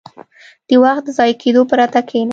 • د وخت د ضایع کېدو پرته کښېنه.